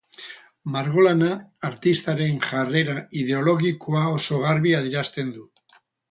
Margolana artistaren jarrera ideologikoa oso garbi adierazten du.